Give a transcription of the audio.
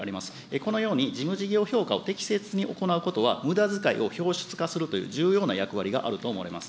このように、事務事業評価を適切に行うことは、むだつかいを表出化するという重要な役割があると思われます。